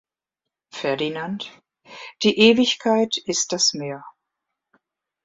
Ferdinand: Die Ewigkeit ist das Meer.